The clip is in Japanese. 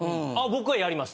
僕はやります。